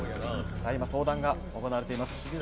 今、相談が行われています。